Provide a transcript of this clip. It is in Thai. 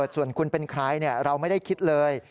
ส่วนคุณเป็นใครเราไม่ได้คิดเลย